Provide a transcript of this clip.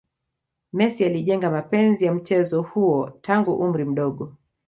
messi alijenga mapenzi ya mchezo huo tangu umri mdogo